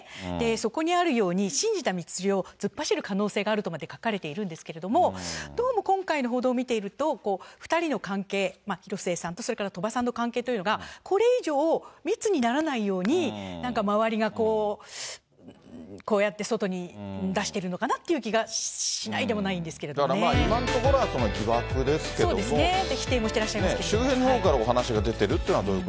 そこにあるように、信じた道を突っ走る可能性もあるとまで書かれているんですけれども、どうも今回の報道を見ていると、２人の関係、広末さんとそれから鳥羽さんの関係というのが、これ以上、密にならないようになんか周りがこう、こうやって外に出しているのかなっていう気がしないでもないんでＵＲ本日はこちらの公園に来ているのであーる！